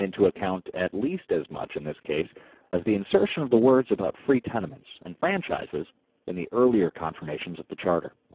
39 83 into account at least as much in this case as the insertion of the words about free tenements and fran chises in the earlier confirmations of the Charter.